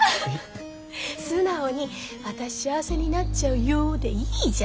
素直に「私幸せになっちゃうよ」でいいじゃん。